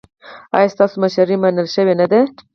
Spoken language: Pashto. ایا ستاسو مشري منل شوې نه ده؟